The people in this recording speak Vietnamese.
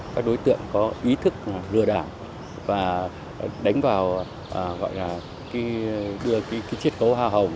các đối tượng có ý thức lừa đảng và đánh vào gọi là đưa chiếc cấu hoa hồng